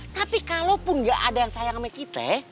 tapi kalaupun nggak ada yang sayang sama kita